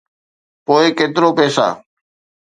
پوء ڪيترو پئسا؟